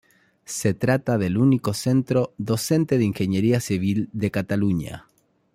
Se trata del único centro docente de ingeniería civil de Cataluña.